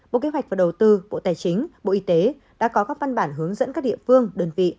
bộ kế hoạch và đầu tư bộ tài chính bộ y tế đã có các văn bản hướng dẫn các địa phương đơn vị